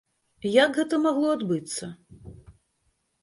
Як гэта магло адбыцца?